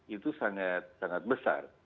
itu sangat besar